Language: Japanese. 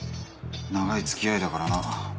長い付き合いだからな。